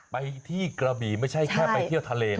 ไปที่กระบี่ไม่ใช่แค่ไปเที่ยวทะเล